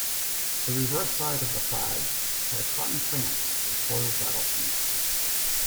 The reverse side of the flag had a cotton plant with a coiled rattlesnake.